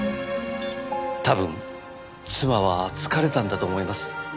多分妻は疲れたんだと思います。